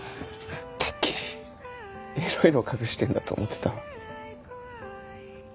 てっきりエロいのを隠してるんだと思ってた。